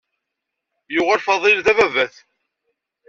Yuɣal Faḍil d ababat.